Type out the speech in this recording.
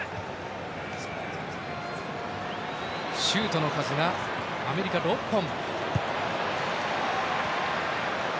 シュートの数がアメリカは６本。